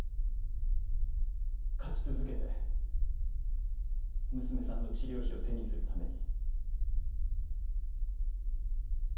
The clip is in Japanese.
勝ち続けて娘さんの治療費を手にするために。